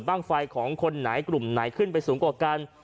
บ้างไฟของคนไหนกลุ่มไหนขึ้นไปสูงกว่ากัน